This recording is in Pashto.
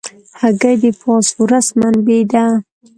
هګۍ د فاسفورس منبع ده.